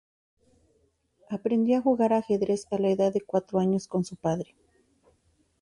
Aprendió a jugar ajedrez a la edad cuatro años con su padre.